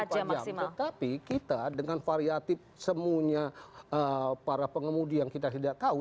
terlalu panjang tetapi kita dengan variatif semuanya para pengemudi yang kita tidak tahu